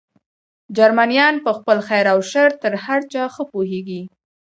جرمنیان په خپل خیر او شر تر هر چا ښه پوهېږي.